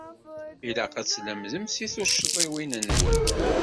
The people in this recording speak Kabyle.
Ilaq ad tlemdem seg tuccḍiwin-nwen.